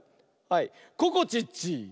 はいここちっち！